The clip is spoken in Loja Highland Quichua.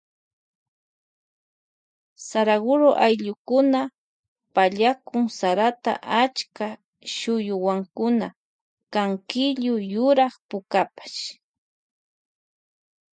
Saraguro ayllukuna pallakun sarata achka shuyuwankuna kan killu yurak pukapash.